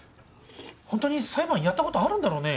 ホントに裁判やったことあるんだろうね！？